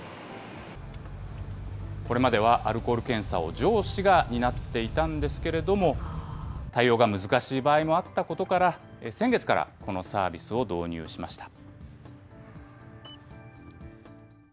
これまではアルコール検査を上司が担っていたんですけれども、対応が難しい場合もあったことから、先月からこのサービスを導入しました。